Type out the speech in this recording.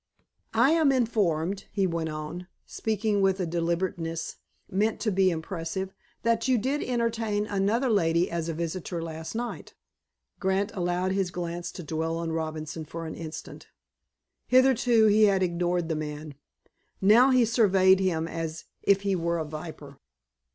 "I am informed," he went on, speaking with a deliberateness meant to be impressive, "that you did entertain another lady as a visitor last night." Grant allowed his glance to dwell on Robinson for an instant. Hitherto he had ignored the man. Now he surveyed him as if he were a viper.